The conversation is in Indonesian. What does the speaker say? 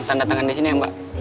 tanda tangan disini ya mbak